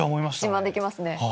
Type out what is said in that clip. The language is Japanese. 自慢できますね。